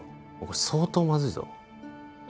これ相当まずいぞ